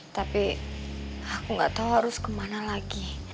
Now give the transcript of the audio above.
tapi aku gak tau harus kemana lagi